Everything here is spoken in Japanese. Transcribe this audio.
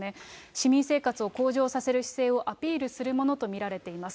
市民生活を向上させる姿勢をアピールするものと見られています。